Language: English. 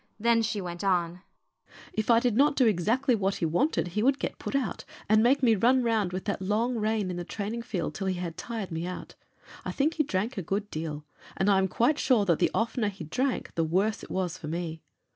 Then she went on: "If I did not do exactly what he wanted he would get put out, and make me run round with that long rein in the training field till he had tired me out. I think he drank a good deal, and I am quite sure that the oftener he drank the worse it was for me.